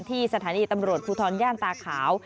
ที่สถานีตำรวจภูทรย่านตาขาว